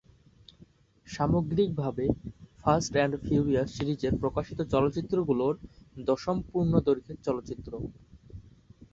সামগ্রিকভাবে fast and furious সিরিজের প্রকাশিত চলচ্চিত্রগুলোর দশম পূর্ণ দৈর্ঘ্যের চলচ্চিত্র।